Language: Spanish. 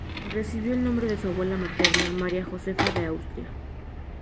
Recibió el nombre de su abuela materna, María Josefa de Austria.